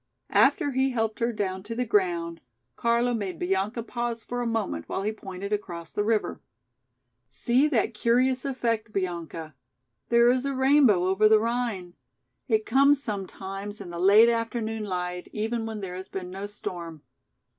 After he helped her down to the ground, Carlo made Bianca pause for a moment while he pointed across the river. "See that curious effect, Bianca! There is a rainbow over the Rhine. It comes sometimes in the late afternoon light even when there has been no storm.